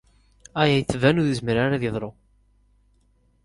Aya yettban-d ur yezmir ara ad yeḍru.